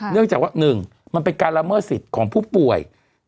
เนื่องจากว่า๑มันเป็นการละเมิดสิทธิ์ของผู้ป่วย